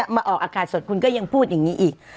มาออกอากาศสดคุณก็ยังพูดอย่างนี้อีก